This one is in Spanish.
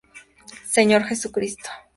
Señor Jesucristo.